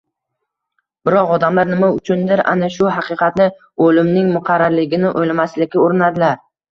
Biroq odamlar nima uchundir ana shu haqiqatni – o‘limning muqarrarligini o‘ylamaslikka urinadilar.